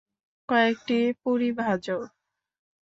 কয়েকটা পুরি ভাজো।